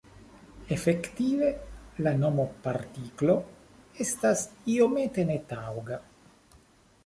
Efektive, la nomo "partiklo" estas iomete netaŭga.